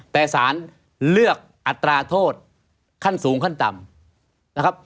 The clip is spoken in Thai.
แต่สารเลือกอัตราโทษขั้นสูงขั้นต่ำนะครับ